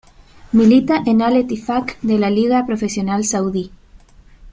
Milita en Al-Ettifaq de la Liga Profesional Saudí.